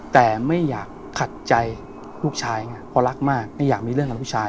แต่ไม่อยากขัดใจลูกชายไงเพราะรักมากไม่อยากมีเรื่องกับลูกชาย